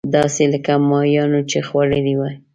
داسې لکه ماهيانو چې خوړلې وي.